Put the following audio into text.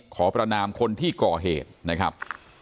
ขอประนามคนที่ก่อเหตุนะครับ